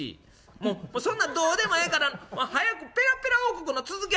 もうそんなんどうでもええから早くペラペラ王国の続き話してや」。